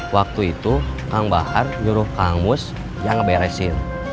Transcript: waktu itu kang bahar nyuruh kang mus yang ngeberesin